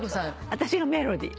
私がメロディー。